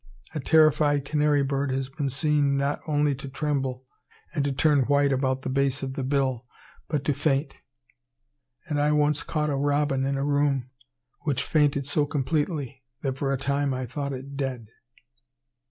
A terrified canary bird has been seen not only to tremble and to turn white about the base of the bill, but to faint; and I once caught a robin in a room, which fainted so completely, that for a time I thought it dead.